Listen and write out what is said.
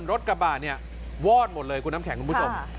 รถกระบะเนี่ยวอดหมดเลยคุณน้ำแข็งคุณผู้ชม